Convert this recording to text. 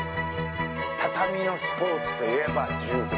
畳のスポーツといえば柔道。